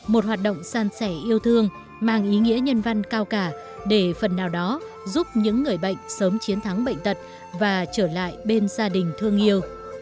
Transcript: một hoạt động san sẻ yêu thương mang ý nghĩa nhân văn cao cả để phần nào đó giúp những người bệnh sớm chiến thắng bệnh tật và trở lại bên gia đình thương yêu